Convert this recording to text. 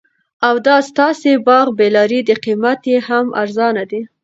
او دا ستاسي باغ بې لاري دي قیمت یې هم ارزانه دي